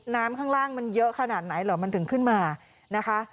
ข้างล่างมันเยอะขนาดไหนเหรอมันถึงขึ้นมานะคะ